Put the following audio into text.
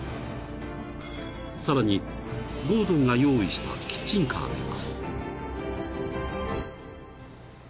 ［さらにゴードンが用意したキッチンカーでは］